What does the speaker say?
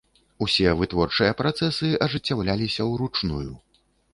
Усе вытворчыя працэсы ажыццяўляліся ўручную.